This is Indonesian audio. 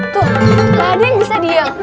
tuh gak ada yang bisa diem